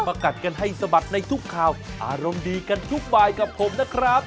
กัดกันให้สะบัดในทุกข่าวอารมณ์ดีกันทุกบายกับผมนะครับ